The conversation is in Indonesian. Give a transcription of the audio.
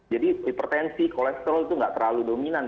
jadi hipertensi kolesterol itu tidak terlalu dominan